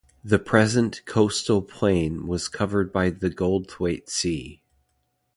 The present coastal plain was covered by the Goldthwait Sea.